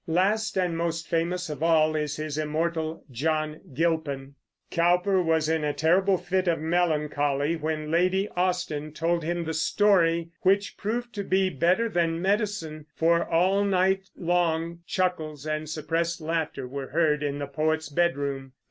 Last and most famous of all is his immortal "John Gilpin." Cowper was in a terrible fit of melancholy when Lady Austen told him the story, which proved to be better than medicine, for all night long chuckles and suppressed laughter were heard in the poet's bedroom.